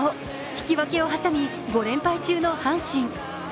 引き分けを挟み５連敗中の阪神。